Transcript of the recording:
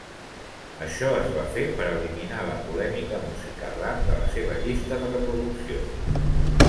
Això es va fer per eliminar la polèmica música rap de la seva llista de reproducció.